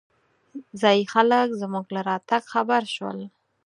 ځايي خلک زمونږ له راتګ خبر شول.